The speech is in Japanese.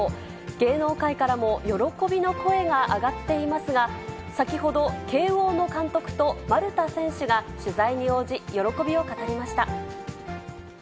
芸能界からも喜びの声が上がっていますが、先ほど、慶応の監督と丸田選手が取材に応じ、喜びを語りました。